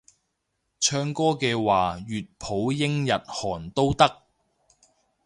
唱歌嘅話粵普英日韓都得